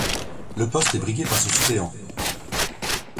Le poste est brigué par son suppléant.